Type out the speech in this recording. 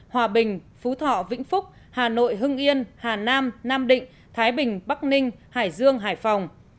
hòa bình phú thọ vĩnh phúc hà nội hưng yên hà nam nam định thái bình bắc ninh hải dương hải phòng